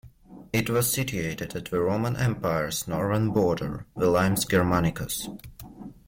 It was situated at the Roman Empire's northern border, the Limes Germanicus.